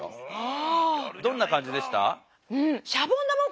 どんな感じでした？